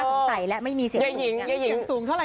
ก็รอติดตามกันนะครับ